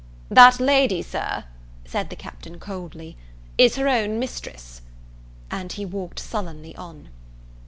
"That lady, Sir," said the Captain coldly, "is her own mistress." And he walked sullenly on.